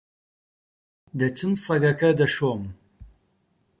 دەچم سەگەکە دەشۆم.